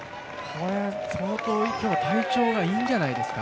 相当、体調がいいんじゃないですか？